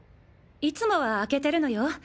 いつもは開けてるのよ。